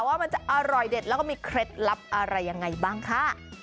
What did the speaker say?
ว่ามันจะอร่อยเด็ดแล้วก็มีเคล็ดลับอะไรยังไงบ้างค่ะ